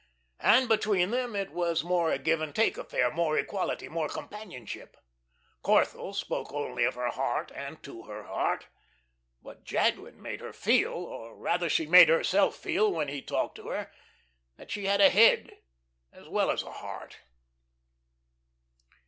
And between them it was more a give and take affair, more equality, more companionship. Corthell spoke only of her heart and to her heart. But Jadwin made her feel or rather she made herself feel when he talked to her that she had a head as well as a heart.